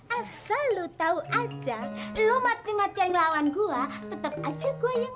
asal lo tau aja lo mati mati yang lawan gue tetep aja gue yang menang